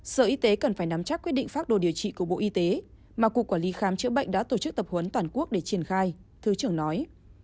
sở y tế cần phải nắm chắc quyết định phác đồ điều trị của bộ y tế mà cục quản lý khám chữa bệnh đã tổ chức tập huấn toàn quốc để triển khai thứ trưởng nói